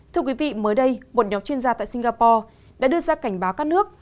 thưa quý vị mới đây một nhóm chuyên gia tại singapore đã đưa ra cảnh báo các nước